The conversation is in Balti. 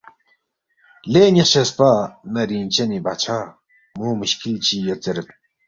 لے ن٘ی خچسپا نہ رِنگچنی بادشاہ، مو مُشکل چی یود زیرید